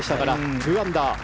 ２アンダー。